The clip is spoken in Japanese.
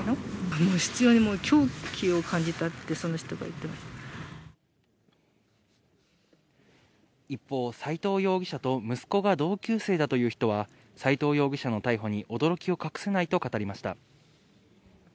もう、執ように狂気を感じたってその人が言っ一方、斎藤容疑者と息子が同級生だという人は、斎藤容疑者の逮捕に驚きを隠せないと語りました。